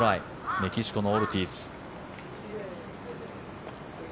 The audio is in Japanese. メキシコのオルティーズ。